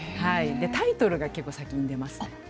タイトルが結構先に出ますね。